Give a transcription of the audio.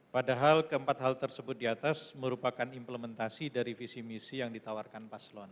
padahal keempat hal tersebut di atas merupakan implementasi dari visi misi yang ditawarkan paslon